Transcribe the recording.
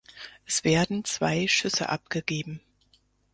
Es werden zwei Schüsse abgegeben.